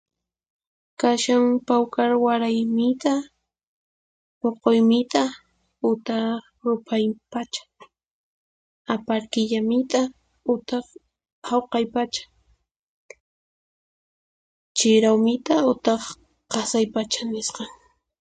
Kashan Pawkar Waray mit'a; Puquy mit'a utaq Ruphay pacha; Aparkilla mit'a utaq Hawqay pacha; Chiraw mit'a utaq Qasay pacha nisqan.